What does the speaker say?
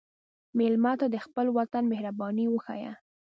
مېلمه ته د خپل وطن مهرباني وښیه.